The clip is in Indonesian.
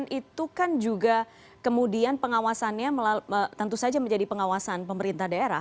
itu kan juga kemudian pengawasannya tentu saja menjadi pengawasan pemerintah daerah